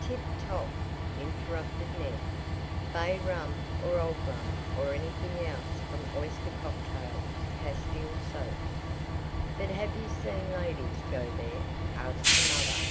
"Tip top," interrupted Ned. "Bay rum or old rum or anything else from oyster cocktail to Castile soap." "But have you seen ladies go there?" asked the mother.